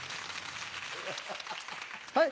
はい。